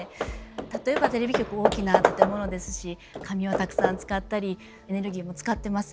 例えばテレビ局大きな建物ですし紙をたくさん使ったりエネルギーも使ってます。